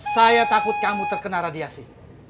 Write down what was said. saya takut kamu terkena radiasi